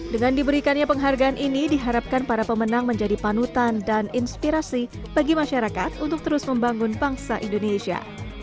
dengan diberikannya penghargaan ini diharapkan para pemenang menjadi panutan dan inspirasi bagi masyarakat untuk terus membangun bangsa indonesia